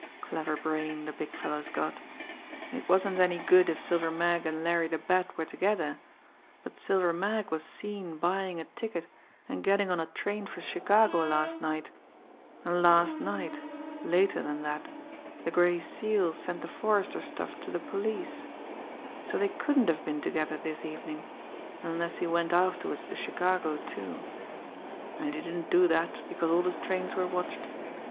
Clever brain, the Big Fellow's got! It wasn't any good if Silver Mag and Larry the Bat were together, but Silver Mag was seen buying a ticket and getting on a train for Chicago last night and last night, later than that, the Gray Seal sent the Forrester stuff to the police so they couldn't have been together this evening unless he went afterwards to Chicago, too and he didn't do that because all the trains were watched.